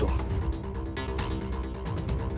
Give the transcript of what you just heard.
untuk mencari penyembuh